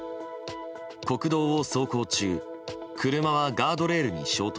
国道を走行中車はガードレールに衝突。